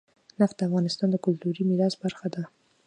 نفت د افغانستان د کلتوري میراث برخه ده.